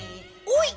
「おい！」。